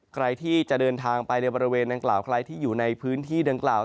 ใครที่จะเดินทางไปในบริเวณดังกล่าวใครที่อยู่ในพื้นที่ดังกล่าว